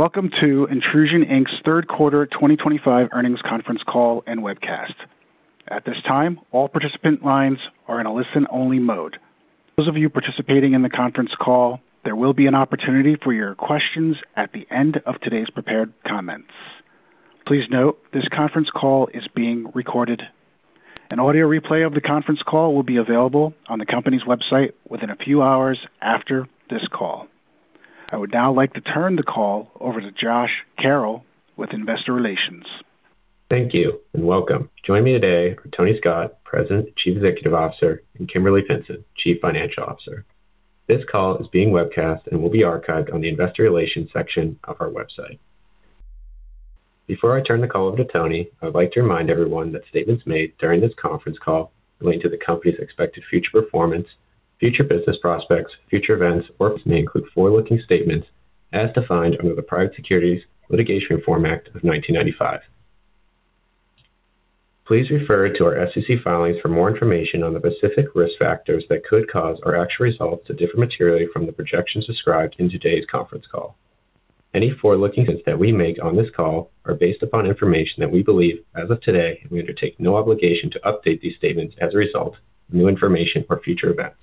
Welcome to Intrusion's third quarter 2025 earnings conference call and webcast. At this time, all participant lines are in a listen-only mode. For those of you participating in the conference call, there will be an opportunity for your questions at the end of today's prepared comments. Please note this conference call is being recorded. An audio replay of the conference call will be available on the company's website within a few hours after the call. I would now like to turn the call over to Josh Carroll with Investor Relations. Thank you and welcome. Joining me today are Tony Scott, President, Chief Executive Officer, and Kimberly Pinson, Chief Financial Officer. This call is being webcast and will be archived on the Investor Relations section of our website. Before I turn the call over to Tony, I would like to remind everyone that statements made during this conference call relating to the Company's expected future performance, future business prospects, future events, or may include forward-looking statements as defined under the Private Securities Litigation Reform Act of 1995. Please refer to our SEC filings for more information on the specific risk factors that could cause our actual results to differ materially from the projections described in today's conference call. Any forward-looking statements that we make on this call are based upon information that we believe as of today. We undertake no obligation to update these statements as a result of new information or future events.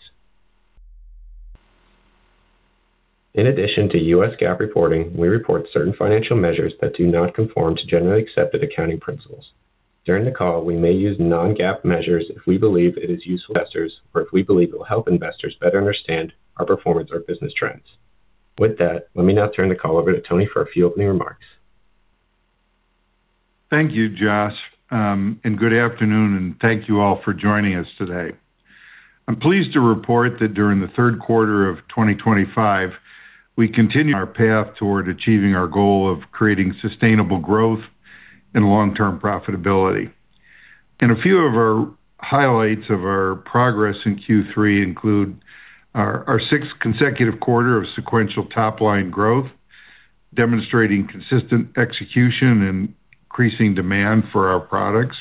In addition to U.S. GAAP reporting, we report certain financial measures that do not conform to Generally Accepted Accounting Principles. During the call, we may use non-GAAP measures if we believe it is useful to investors or if we believe it will help investors better understand our performance or business trends. With that, let me now turn the call over to Tony for a few opening remarks. Thank you, Josh, and good afternoon, and thank you all for joining us today. I'm pleased to report that during the third quarter of 2025, we continue our path toward achieving our goal of creating sustainable growth and long-term profitability, and a few of our highlights of our progress in Q3 include our sixth consecutive quarter of sequential top-line growth, demonstrating consistent execution and increasing demand for our. Products.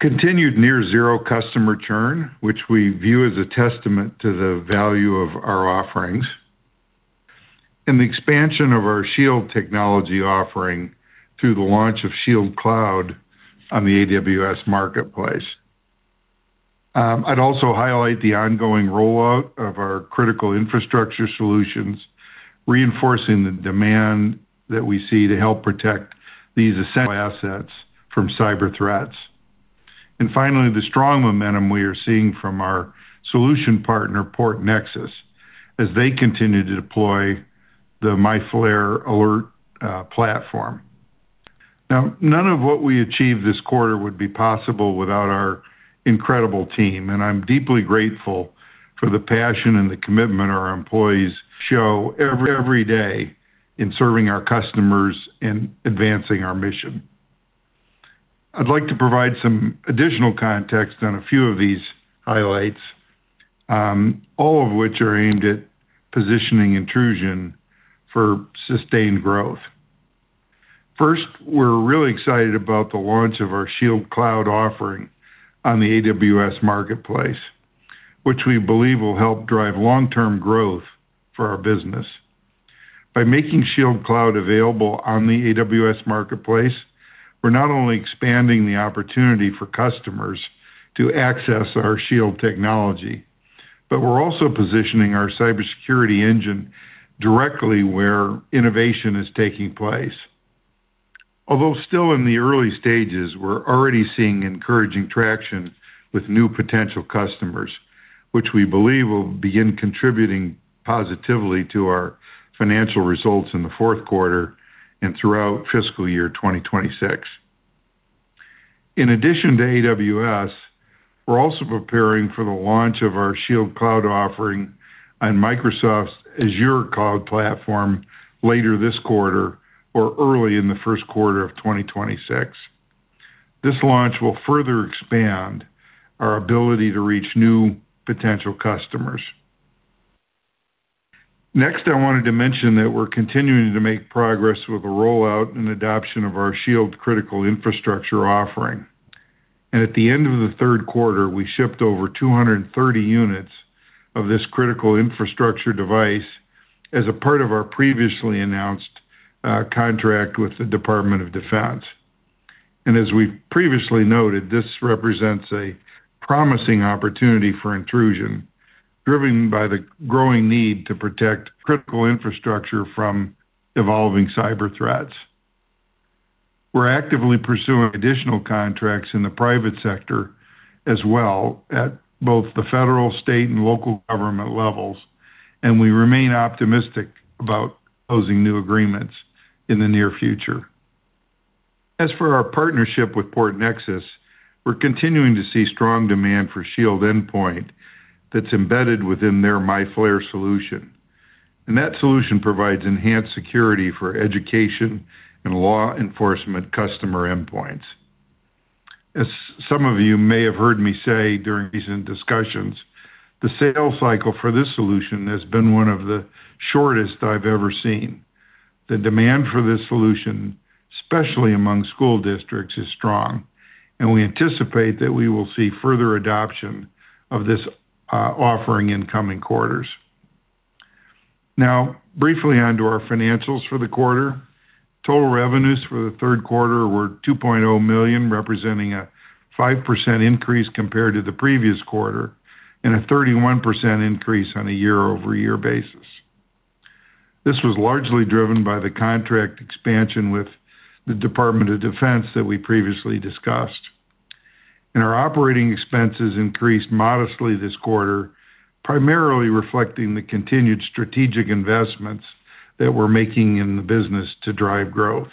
Continued near zero customer churn, which we view as a testament to the value of our offerings and the expansion of our Shield Technology offering through the launch of Shield Cloud on the AWS Marketplace. I'd also highlight the ongoing rollout of our critical infrastructure solutions, reinforcing the demand that we see to help protect these essential assets from cyber threats and finally. The strong momentum we are seeing from. Our solution partner Port Nexus as they continue to deploy the MyFlare Alert platform. Now, none of what we achieved this. Quarter would be possible without our incredible team, and I'm deeply grateful for the passion and the commitment our employees show every day in serving our customers and advancing our mission. I'd like to provide some additional context. On a few of these highlights, all. Of which are aimed at positioning Intrusion for sustained growth. First, we're really excited about the launch of our Shield Cloud offering on the AWS Marketplace, which we believe will help drive long term growth for our business. By making Shield Cloud available on the AWS Marketplace, we're not only expanding the opportunity for customers to access our Shield Technology, but we're also positioning our cybersecurity engine directly where innovation is taking place. Although still in the early stages, we're already seeing encouraging traction with new potential customers, which we believe will begin contributing positively to our financial results in the fourth quarter and throughout fiscal year 2026. In addition to AWS, we're also preparing for the launch of our Shield Cloud offering on Microsoft's Azure cloud platform later this quarter or early in the first quarter of 2026. This launch will further expand our ability to reach new potential customers. Next, I wanted to mention that we're continuing to make progress with the rollout and adoption of our Shield Critical Infrastructure offering, and at the end of the third quarter we shipped over 230 units of this Critical Infrastructure device as a part of our previously announced contract with the Department of Defense. As we previously noted, this represents a promising opportunity for Intrusion driven by the growing need to protect critical infrastructure from evolving cyber threats. We're actively pursuing additional contracts in the private sector as well, at both the. Federal, state and local government levels. We remain optimistic about closing new agreements in the near future. As for our partnership with Port Nexus, we're continuing to see strong demand for Shield Endpoint that's embedded within their MyFlare solution, and that solution provides enhanced security for education and law enforcement customer endpoints. As some of you may have heard me say during recent discussions, the sales. Cycle for this solution has been one. Of the shortest I've ever seen. The demand for this solution, especially among. School districts, is strong, and we anticipate that we will see further adoption of this offering in coming quarters. Now briefly onto our financials for the quarter. Total revenues for the third quarter were $2.0 million, representing a 5% increase compared to the previous quarter and a 31% increase on a year-over-year basis. This was largely driven by the contract. Expansion with the Department of Defense that we previously discussed, and our operating expenses increased modestly this quarter, primarily reflecting the continued strategic investments that we're making in the business to drive growth.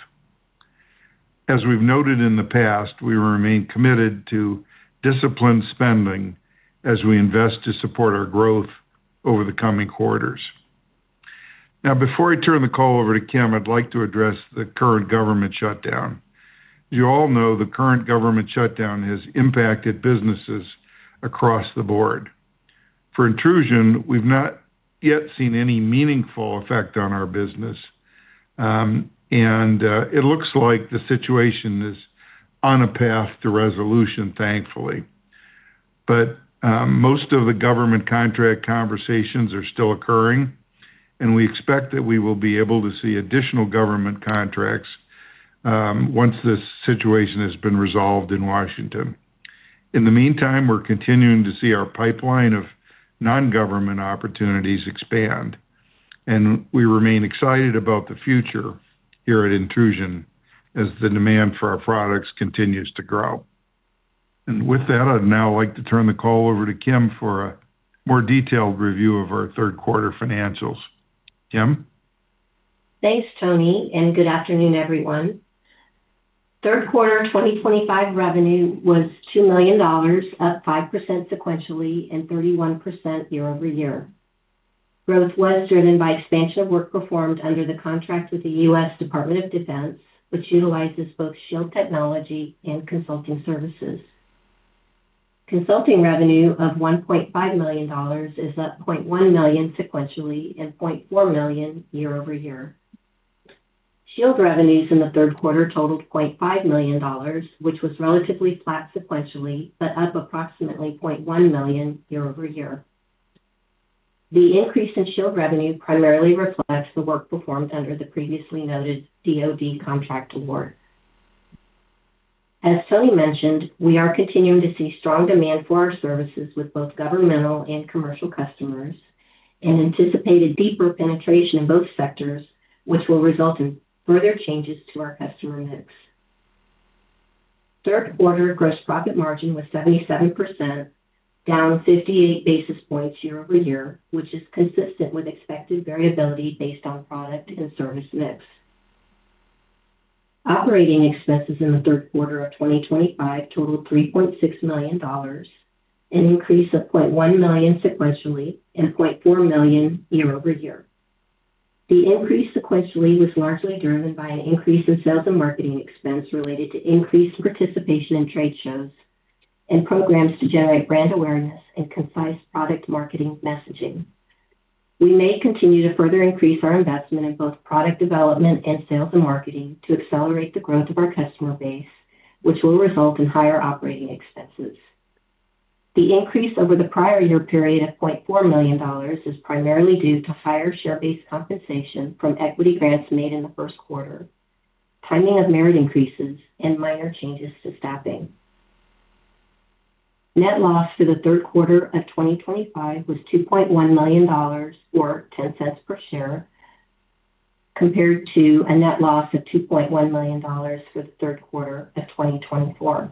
As we've noted in the past, we remain committed to disciplined spending as we invest to support our growth over the coming quarters. Now, before I turn the call over to Kim, I'd like to address the current government shutdown. You all know the current government shutdown has impacted businesses across the board. For Intrusion, we've not yet seen any meaningful effect on our business. It looks like. The situation is on a path to resolution, thankfully. Most of the government contract conversations are still occurring and we expect that we will be able to see additional. Government contracts once this situation has been resolved in Washington. In the meantime, we're continuing to see our pipeline of non government opportunities expand and we remain excited about the future here at Intrusion as the demand for our products continues to grow. With that, I'd now like to turn the call over to Kim for a more detailed review of our third quarter financials. Kim, thanks Tony, and good afternoon everyone. Third quarter 2025 revenue was $2 million, up 5% sequentially and 31% year-over-year. Growth was driven by expansion of work performed under the contract with the U.S. Department of Defense, which utilizes both Shield technology and consulting services. Consulting revenue of $1.5 million is up $0.1 million sequentially and $0.4 million year-over-year. Shield revenues in the third quarter totaled $0.5 million, which was relatively flat sequentially but up approximately $0.1 million year-over-year. The increase in Shield revenue primarily reflects the work performed under the previously noted DoD contract award. As Tony mentioned, we are continuing to see strong demand for our services with both governmental and commercial customers and anticipate deeper penetration in both sectors, which will result in further changes to our customer mix. Third quarter gross profit margin was 77%, down 58 basis points year-over-year, which is consistent with expected variability based on product and service mix. Operating expenses in the third quarter of 2025 totaled $3.6 million, an increase of $0.1 million sequentially and $0.4 million year-over-year. The increase sequentially was largely driven by an increase in sales and marketing expense related to increased participation in trade shows and programs to generate brand awareness and concise product marketing messaging. We may continue to further increase our investment in both product development and sales and marketing to accelerate the growth of our customer base which will result in higher operating expenses. The increase over the prior year period of $0.4 million is primarily due to higher share based compensation from equity grants made in the first quarter. Timing of merit increases and minor changes to staffing. Net loss for the third quarter of 2025 was $2.1 million, or $0.10 per share, compared to a net loss of $2.1 million for the third quarter of 2024.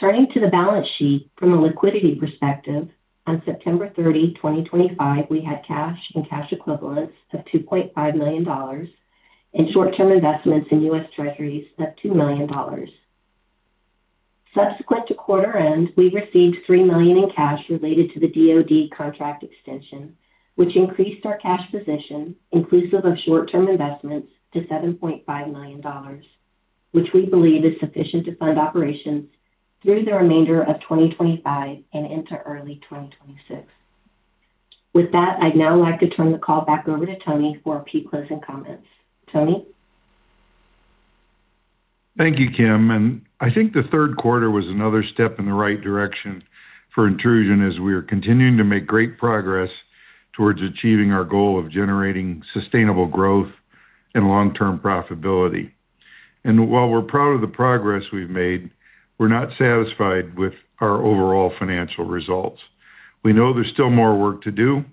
Turning to the balance sheet from a liquidity perspective, on September 30, 2025, we had cash and cash equivalents $2.5 million and short term investments in U.S. treasuries of $2 million. Subsequent to quarter end, we received $3 million in cash related to the DoD contract extension, which increased our cash position inclusive of short term investments to $7.5 million, which we believe is sufficient to fund operations through the remainder of 2025 and into early 2026. With that, I'd now like to turn the call back over to Tony for a few closing comments. Tony. Thank you, Kim. I think the third quarter was another step in the right direction for Intrusion as we are continuing to make great progress towards achieving our goal of generating sustainable growth and long term profitability. While we're proud of the progress we've made, we're not satisfied with our overall financial results. We know there's still more work to do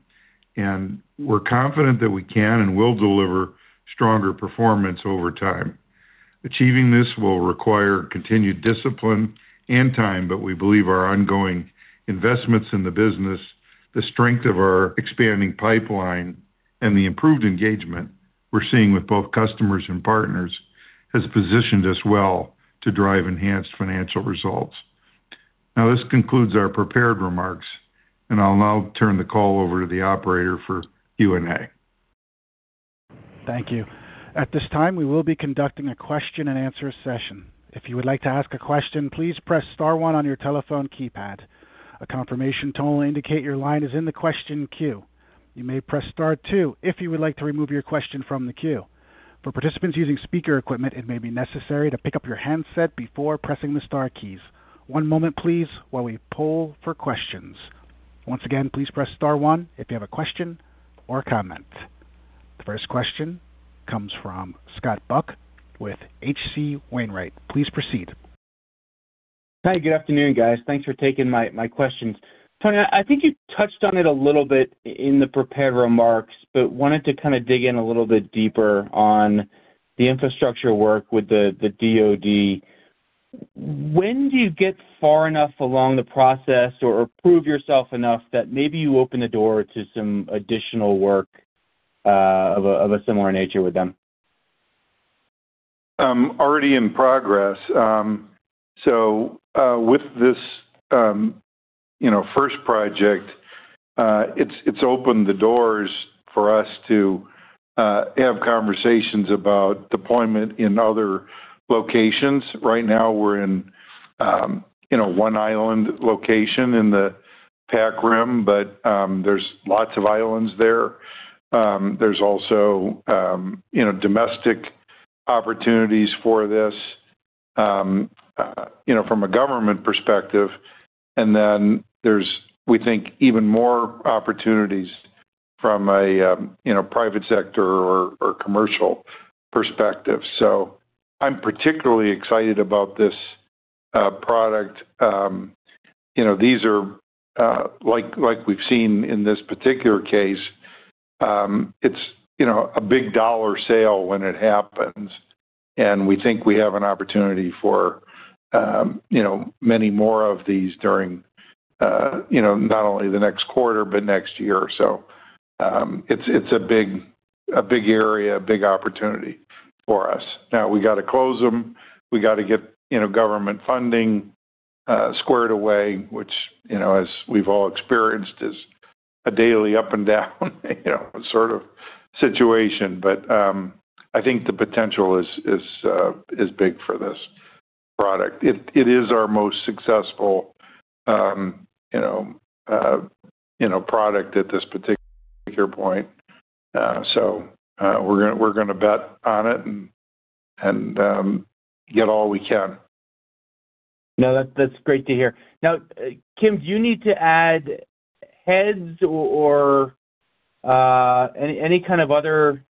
and we're confident that we can and will deliver stronger performance over time. Achieving this will require continued discipline and time, but we believe our ongoing investments in the business, the strength of our expanding pipeline, and the improved engagement we're seeing with both customers and partners has positioned us well to drive enhanced financial results. This concludes our prepared remarks and I'll now turn the call over to the operator for Q and A. Thank you. At this time we will be conducting a question-and-answer session. If you would like to ask a question, please press star one on your telephone keypad. A confirmation tone will indicate your line is in the question queue. You may press star two if you would like to remove your question from the queue. For participants using speaker equipment, it may be necessary to pick up your handset before pressing the star keys. One moment please, while we poll for questions. Once again, please press star one if you have a question or comment. The first question comes from Scott Buck with HC Wainwright. Please proceed. Hi, good afternoon, guys. Thanks for taking my questions, Tony. I think you touched on it a little bit in the prepared remarks, but wanted to kind of dig in a little bit deeper on the infrastructure work with the DoD. When do you get far enough along the process or prove yourself enough that maybe you open the door to some additional work of a similar nature with. Them. Already in progress? With this first project, it's opened the doors for us to have conversations about deployment in other locations. Right now we're in, you know, one island location in the Pacific Rim, but there's lots of islands there. There's also, you know, domestic opportunities for this, you know, from a government perspective and then there's, we think, even more opportunities from a, you know, private sector or commercial perspective. I'm particularly excited about this product. You know, these are like, like we've seen in this particular case, it's, you know, a big dollar sale when it happens. We think we have an opportunity for, you know, many more of these during, you know, not only the next quarter, but next year. It's a big, a big area, a big opportunity for us. Now we got to close them. We got to get, you know, government funding squared away, which, you know, as we've all experienced, is a daily up and down, you know, sort of situation. I think the potential is big for this product. It is our most successful, you know, product at this particular point. We are going to bet on it and get all we can. No, that's great to hear. Now, Kim, do you need to add heads or any kind of other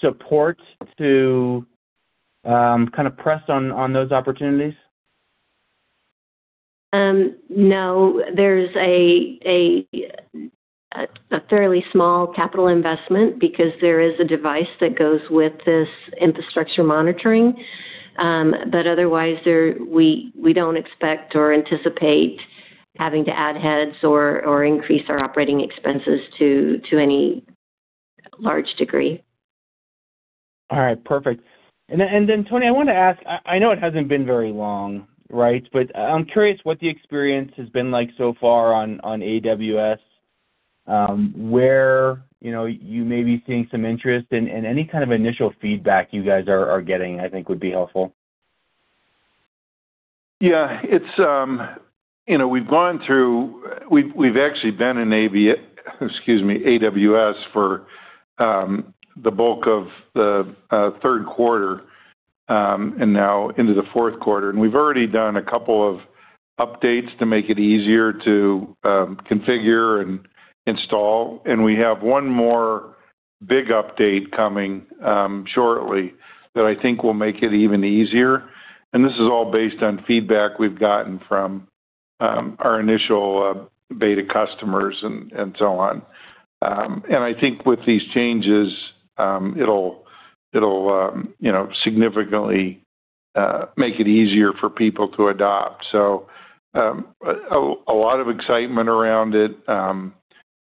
support to kind of press on those opportunities? No, there's a fairly small capital investment because there is a device that goes with this infrastructure monitoring. Otherwise, we don't expect or anticipate having to add heads or increase our operating expenses to any large degree. All right, perfect. Tony, I want to ask. I know it has not been very long, but I am curious what the experience has been like so far on AWS, where you may be seeing some interest and any kind of initial feedback you guys are getting, I think would be helpful. Yeah, it's, you know, we've gone through. We've actually been in AWS for the bulk of the third quarter and now into the fourth quarter, and we've already done a couple of updates to make it easier to configure and install. We have one more big update coming shortly that I think will make it even easier. This is all based on feedback we've gotten from our initial beta customers and so on. I think with these changes, it'll significantly make it easier for people to adopt. A lot of excitement around it.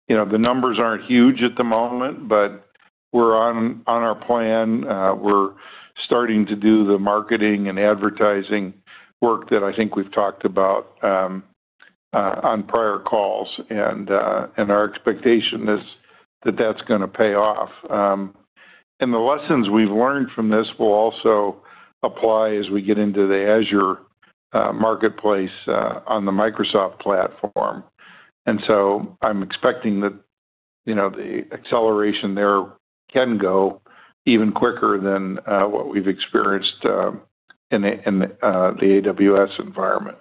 You know, the numbers aren't huge at the moment, but we're on our plan. We're starting to do the marketing and advertising work that I think we've talked about on prior calls. Our expectation is that that's going to pay off. The lessons we've learned from this will also apply as we get into the Azure Marketplace on the Microsoft platform. I'm expecting that, you know, the acceleration there can go even quicker than what we've experienced in the AWS environment.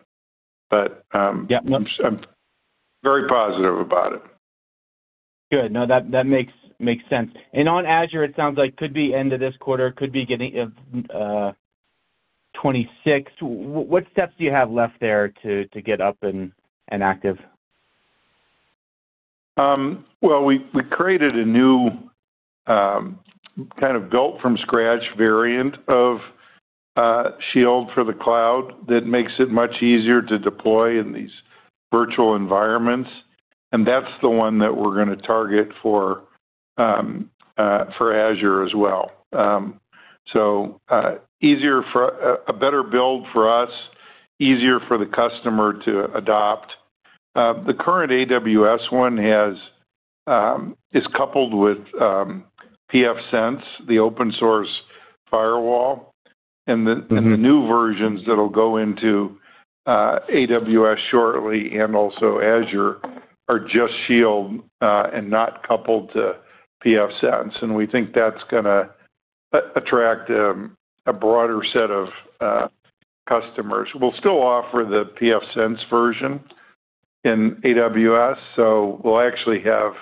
I'm very positive about it. Good. No, that makes sense. On Azure, it sounds like could be end of this quarter, could be getting. 26. What steps do you have left there to get up and active? We created a new. Kind of. Built from scratch variant of Shield for the cloud that makes it much easier to deploy in these virtual environments. That is the one that we are going to target for Azure as well. A better build for us, easier for the customer to adopt. The current AWS one is coupled with pfSense, the open source firewall, and the new versions that will go into AWS shortly and also Azure are just Shield and not coupled to. We think that is going to attract a broader set of customers. We will still offer the pfSense version in AWS, so we will actually have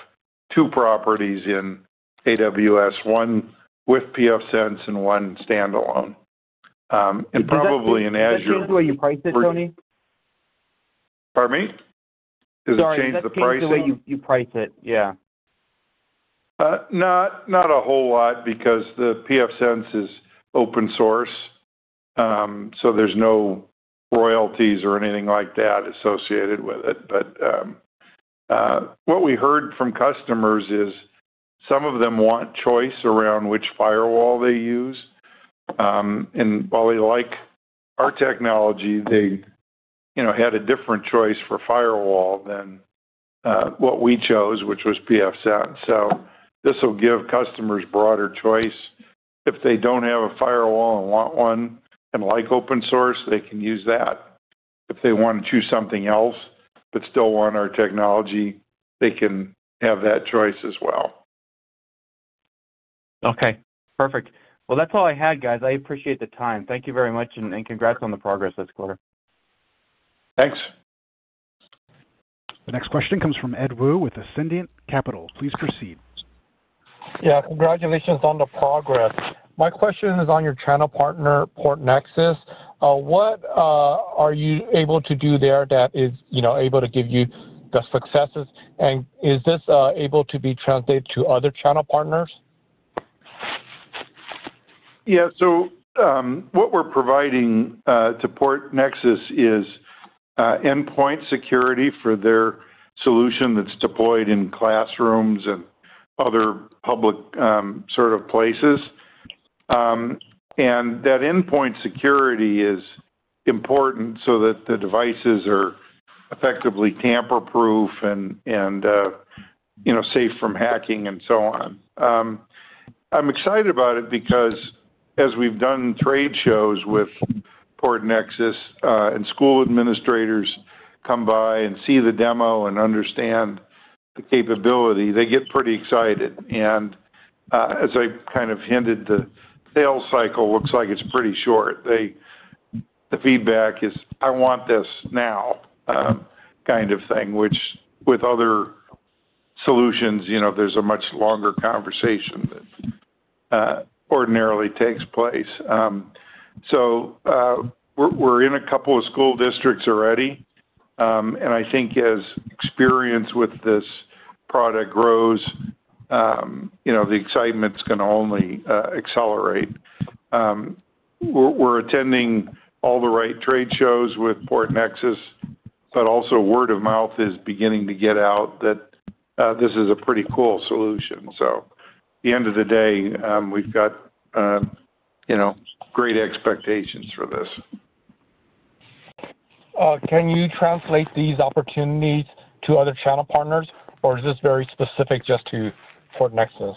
two properties in AWS, one with pfSense and one standalone and probably in Azure. Can you change the way you price it, Tony? Pardon me? Does it change the pricing, the way you price it? Yeah. Not a whole lot because the pfSense is open source, so there's no royalties or anything like that associated with it. What we heard from customers is some of them want choice around which firewall they use. While they like our technology, they had a different choice for firewall than what we chose, which was pfSense. This will give customers broader choice. If they do not have a firewall and want one, and like open source, they can use that. If they want to choose something else but still want our technology, they can have that choice as well. Okay, perfect. That's all I had, guys. I appreciate the time. Thank you very much and congrats on. The progress this quarter. Thanks. The next question comes from Ed Woo with Ascendiant Capital. Please proceed. Yeah, congratulations on the progress. My question is on your channel partner Port Nexus, what are you able to do there that is, you know, able to give you the successes? And is this able to be translated to other channel partners? Yeah, so what we're providing to Port Nexus is endpoint security for their solution that's deployed in classrooms and other public sort of places. That endpoint security is important so that the devices are effectively tamper proof and, you know, safe from hacking and so on. I'm excited about it because as we've done trade shows with Port Nexus and school administrators come by and see the demo and understand the capability, they get pretty excited and as I kind of hinted, the sales cycle looks like it's pretty short. The feedback is I want this now kind of thing which with other solutions, you know, there's a much longer conversation that ordinarily takes place. We're in a couple of school districts already and I think as experience with this product grows, you know, the excitement is going to only accelerate. We're attending all the right trade shows with Port Nexus but also word of mouth is beginning to get out that this is a pretty cool solution. At the end of the day we've got, you know, great expectations for this. Can you translate these opportunities to other channel partners or is this very specific just to Port Nexus?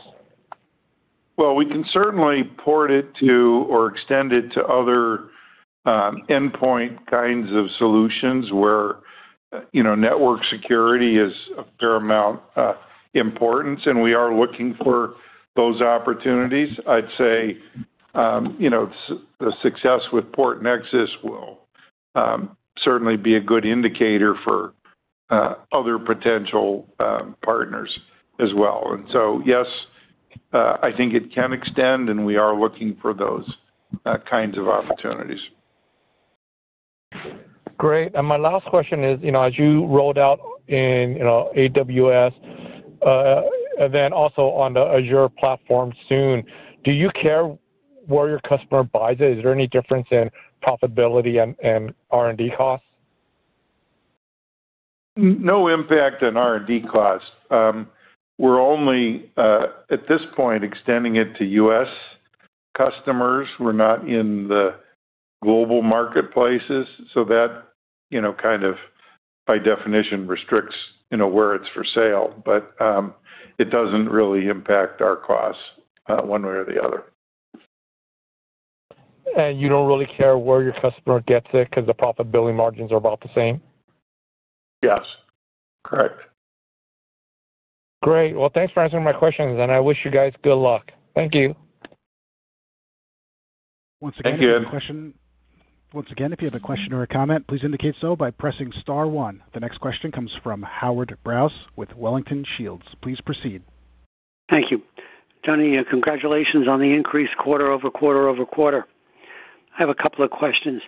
We can certainly port it to or extend it to other endpoint kinds of solutions where, you know, network security is a fair amount of importance and we are looking for those opportunities. I'd say, you know, the success with Port Nexus will certainly be a good indicator for other potential partners as well. Yes, I think it can extend and we are looking for those kinds of opportunities. Great. My last question is, as you rolled out in AWS, then also on the Azure platform soon, do you care where your customer buys it? Is there any difference in profitability and R&D costs? No impact in R&D costs. We're only at this point extending it to U.S. customers. We're not in the global marketplaces so that, you know, kind of by definition restricts, you know, where it's for sale, but it doesn't really impact our costs one way or the other. You do not really care where your customer gets it because the profitability margins are about the same. Yes, correct. Great. Thanks for answering my questions. I wish you guys good luck. Thank you. Thank you. Once again, if you have a question or a comment, please indicate so by pressing star one. The next question comes from Howard Brou with Wellington Shields. Please proceed. Thank you. Tony, congratulations on the increase quarter over quarter over-quarter. I have a couple of questions.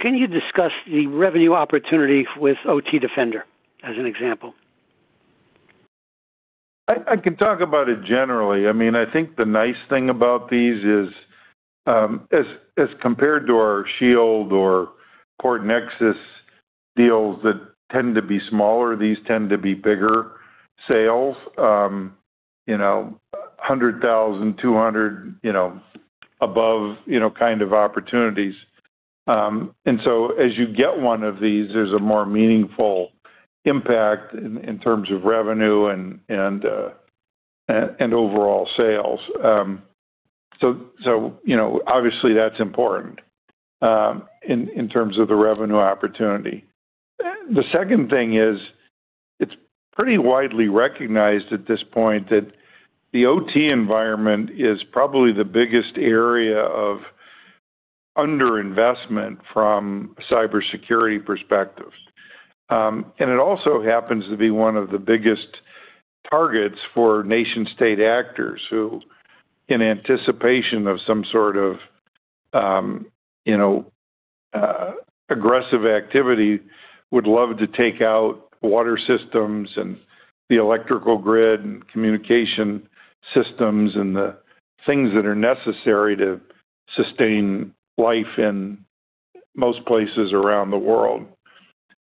Can you discuss the revenue opportunity with OT Defender as an example? I can talk about it generally. I mean I think the nice thing about these is as compared to our Shield or Port Nexus deals that tend to be smaller, these tend to be bigger sales, you know, $100,000, $200,000, you know, above, you know, kind of opportunities. As you get one of these, there is a more meaningful impact in terms of revenue and overall sales. Obviously, that is important in terms of the revenue opportunity. The second thing is it is pretty widely recognized at this point that the OT environment is probably the biggest area of underinvestment from a cybersecurity perspective. It also happens to be one of the biggest targets for nation state actors who, in anticipation of some sort of, you know, aggressive activity, would love to take out water systems and the electrical grid and communication systems and the things that are necessary to sustain life in most places around the world.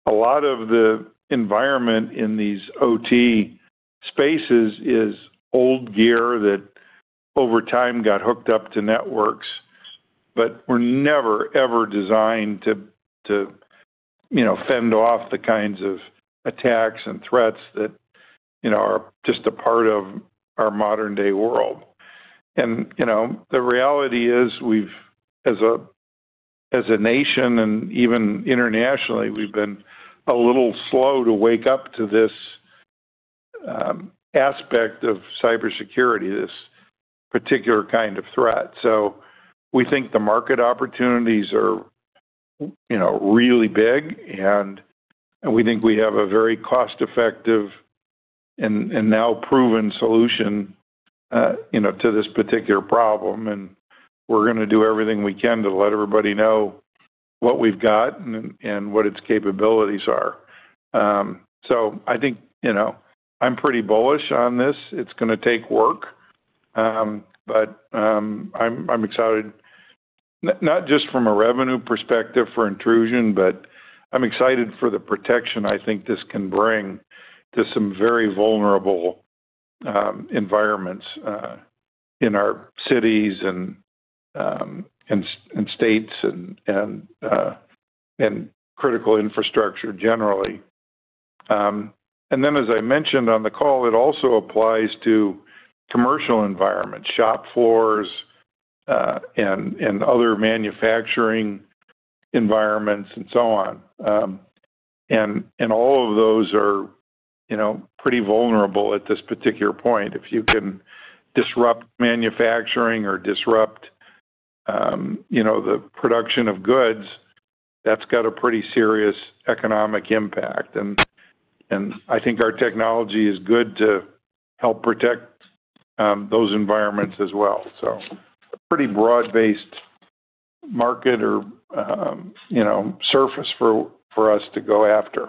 A lot of the environment in these OT spaces is old gear that, over time, got hooked up to networks but were never ever designed to fend off the kinds of attacks and threats that are just a part of our modern day world. The reality is we've, as a nation and even internationally, we've been a little slow to wake up to this aspect of cybersecurity, this particular kind of threat. We think the market opportunities are really big and we think we have a very cost effective and now proven solution, you know, to this particular problem. We are going to do everything we can to let everybody know what we have got and what its capabilities are. I think, you know, I am pretty bullish on this, it is going to take work. I am excited, not just from a revenue perspective for Intrusion, but I am excited for the protection I think this can bring to some very vulnerable environments in our cities and states and critical infrastructure generally. As I mentioned on the call, it also applies to commercial environments, shop floors and other manufacturing environments and so on. All of those are pretty vulnerable at this particular point. If you can disrupt manufacturing or disrupt the production of goods, that's got a pretty serious economic impact. I think our technology is good to help protect those environments as well. Pretty broad based market or, you know, surface for us to go after.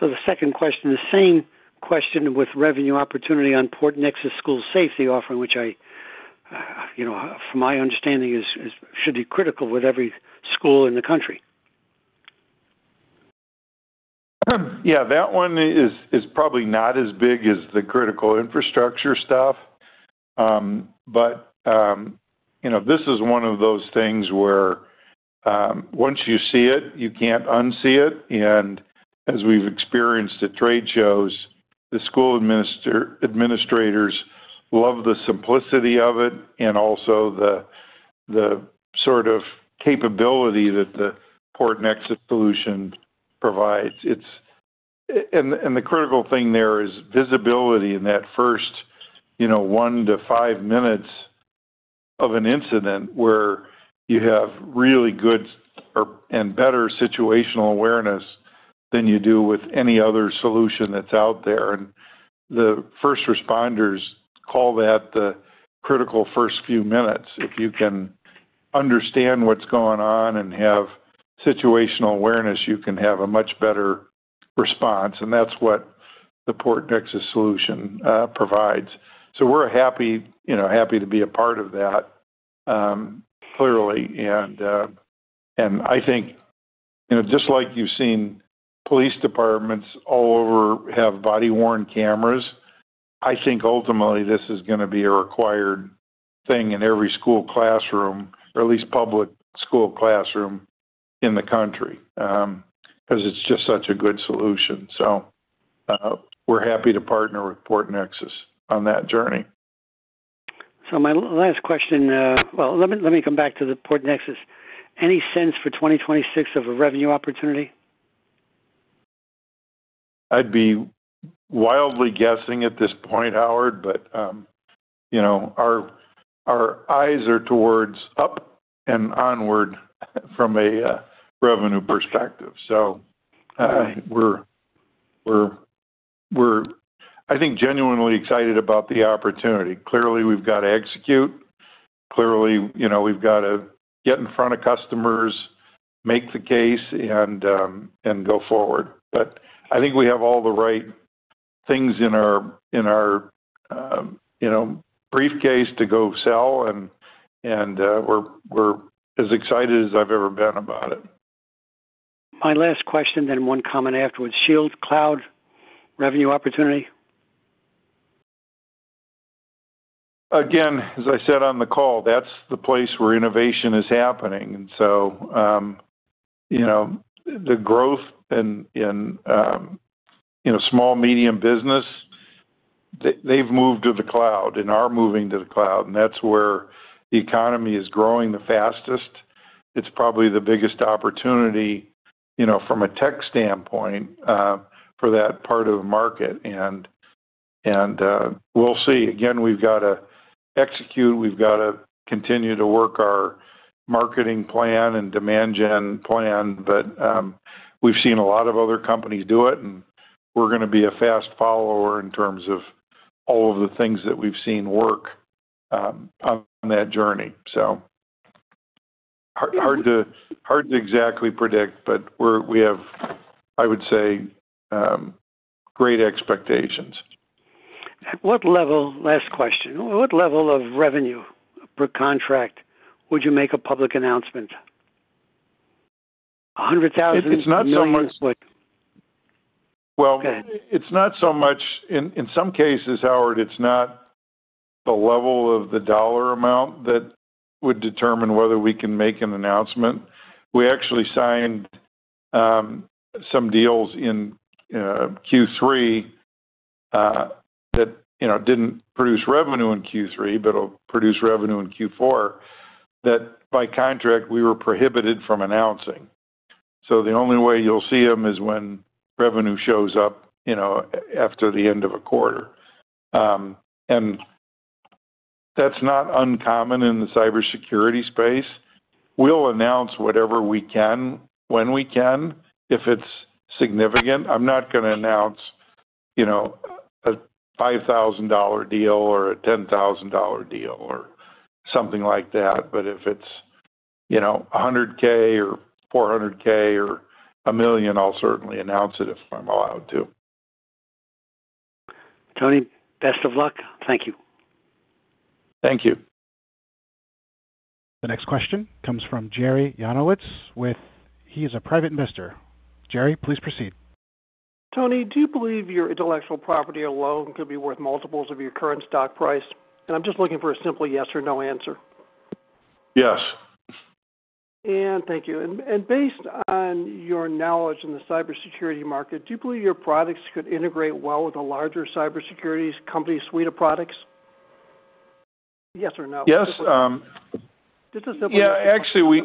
The second question, the same question with revenue opportunity on Port Nexus school safety offering, which I, you know, from my understanding should be critical with every school in the country. Yeah, that one is probably not as big as the critical infrastructure stuff, but this is one of those things where once you see it, you can't unsee it. As we've experienced at trade shows, the school administrators love the simplicity of it and also the sort of capability that the Port Nexus solution provides. The critical thing there is visibility in that first, you know, one to five minutes of an incident where you have really good and better situational awareness than you do with any other solution that's out there. The first responders call that the critical first few minutes. If you can understand what's going on and have situational awareness, you can have a much better response. That's what the Port Nexus solution provides. We're happy, you know, happy to be a part of that, clearly. I think just like you've seen police departments all over have body worn cameras, I think ultimately this is going to be a required thing in every school classroom or at least public school classroom in the country because it's just such a good solution. We are happy to partner with Port Nexus on that journey. My last question. Let me come back to the Port Nexus. Any sense for 2026 of a revenue opportunity? I'd be wildly guessing at this point, Howard, but you know, our eyes are towards up and onward from a revenue perspective. So. We're, I think, genuinely excited about the opportunity. Clearly we've got to execute, clearly, you know, we've got to get in front of customers, make the case and go forward. I think we have all the right things in our, in our, you know, briefcase to go sell and we're as excited as I've ever been about it. My last question then, one comment afterwards. Shield Cloud revenue opportunity. Again, as I said on the call, that's the place where innovation is happening. And you know, the growth in small medium business, they've moved to the cloud and are moving to the cloud and that's where the economy is growing the fastest. It's probably the biggest opportunity from a tech standpoint for that part of the market. We'll see. Again, we've got to execute, we've got to continue to work our marketing plan and demand gen plan. But we've seen a lot of other companies do it and we're going to be a fast follower in terms of all of the things that we've seen work on that journey. Hard to, hard to exactly predict, but we have, I would say, great expectations. At what level? Last question. What level of revenue per contract would you make a public announcement? $100,000. It's not so much. It's not so much in some cases, Howard, it's not the level of the dollar amount that would determine whether we can make an announcement. We actually signed some deals in Q3 that didn't produce revenue in Q3 but will produce revenue in Q4 that by contract we were prohibited from announcing. The only way you'll see them is when revenue shows up after the end of a quarter, and that's not uncommon in the cybersecurity space. We'll announce whatever we can, when we can, if it's significant. I'm not going to announce, you know, a $5,000 deal or a $10,000 deal or something like that, but if it's, you know, $100,000 or $400,000 or a million, I'll certainly announce it if I'm allowed to. Tony, best of luck. Thank you. Thank you. The next question comes from [Jerzy Janowicz]. He is a private investor. Jerry, please proceed. Tony, do you believe your intellectual property alone could be worth multiples of your current stock price? I'm just looking for a simple yes or no answer. Yes, and thank you. Based on your knowledge in the cybersecurity market, do you believe your products could integrate well with a larger cybersecurity company suite of products? Yes or no? Yes, actually, we.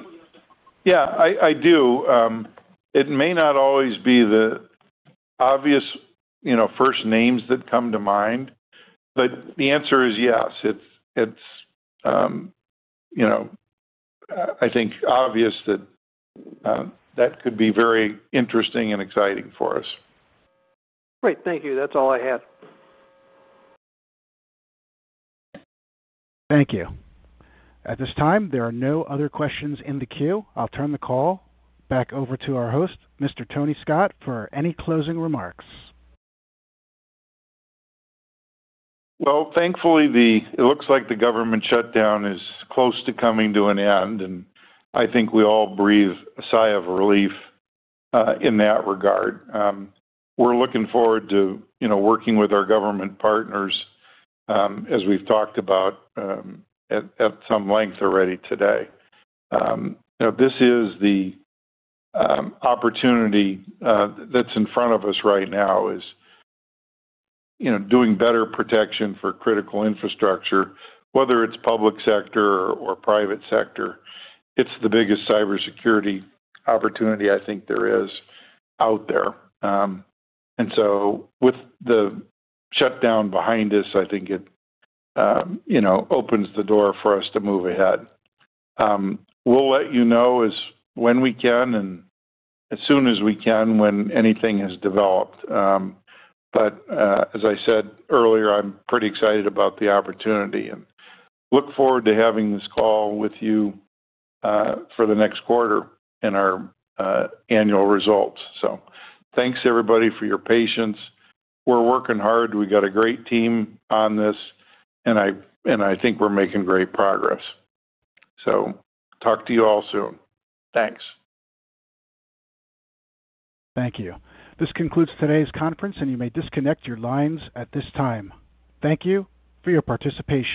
Yeah, I do. It may not always be the obvious, you know, first names that come to mind, but the answer is yes. It's, you know, I think, obvious that that could be very interesting and exciting for us. Great. Thank you. That's all I had. Thank you. At this time, there are no other questions in the queue. I'll turn the call back over to our host, Mr. Tony Scott, for any closing remarks. Thankfully, it looks like the government shutdown is close to coming to an end, and I think we all breathe a sigh of relief in that regard. We're looking forward to working with our government partners. As we've talked about at some length already today, this is the opportunity that's in front of us right now is doing better protection for critical infrastructure, whether it's public sector or private sector. It's the biggest cybersecurity opportunity I think there is out there. With the shutdown behind us, I think it opens the door for us to move ahead. We'll let you know when we can and as soon as we can, when anything has developed. As I said earlier, I'm pretty excited about the opportunity and look forward to having this call with you for the next quarter in our annual results. Thanks, everybody, for your patience. We're working hard. We got a great team on this, and I think we're making great progress. Talk to you all soon. Thanks. Thank you. This concludes today's conference and you may disconnect your lines at this time. Thank you for your participation.